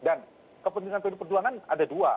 dan kepentingan perjuangan ada dua